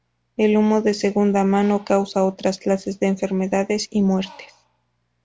El humo de segunda mano causa otras clases de enfermedades y muertes.